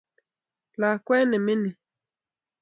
Lakwet ne mining